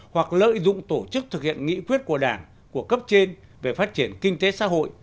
hoặc lợi dụng tổ chức thực hiện nghị quyết của đảng của cấp trên về phát triển kinh tế xã hội